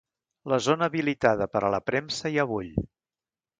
La zona habilitada per a la premsa ja bull.